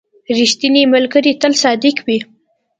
• ریښتینی ملګری تل صادق وي.